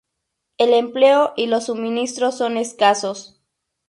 El empleo y los suministros son escasos.